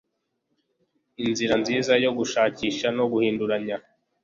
Inzira nziza yo gushakisha no guhinduranya